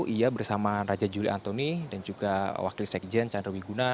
ia bersama raja juli anthony dan juga wakil sekjen chandrawi guna